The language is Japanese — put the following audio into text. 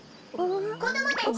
こどもたち！